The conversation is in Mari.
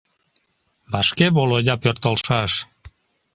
Вашке Володя пӧртылшаш.